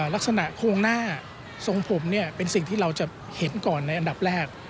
ลักษณะโครงหน้าทรงผมเป็นสิ่งที่เราจะเห็นก่อนในอันดับแรก